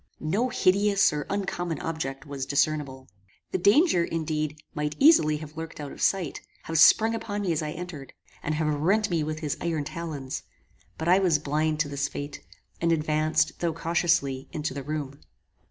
No hideous or uncommon object was discernible. The danger, indeed, might easily have lurked out of sight, have sprung upon me as I entered, and have rent me with his iron talons; but I was blind to this fate, and advanced, though cautiously, into the room.